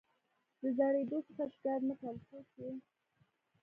د زړېدو څخه شکایت مه کوه پوه شوې!.